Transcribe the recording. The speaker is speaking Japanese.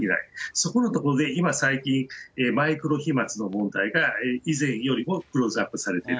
そこのところで今、最近、マイクロ飛まつの問題が以前よりもクローズアップされている。